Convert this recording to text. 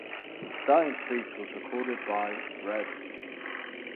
His dying speech was recorded by Rev.